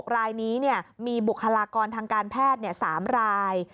รายนี้มีบุคลากรทางการแพทย์๓ราย